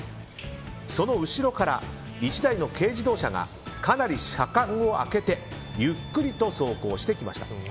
その後ろから１台の軽自動車がかなり車間を空けてゆっくりと走行してきました。